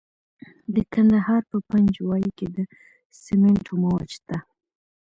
د کندهار په پنجوايي کې د سمنټو مواد شته.